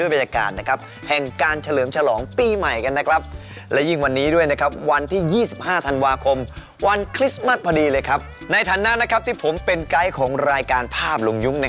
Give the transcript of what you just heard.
วันนี้ถ้าพร้อมแล้วไปลงยุคกันเลย